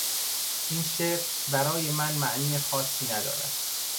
این شعر برای من معنی خاصی ندارد.